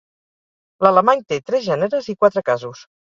L'alemany té tres gèneres i quatre casos.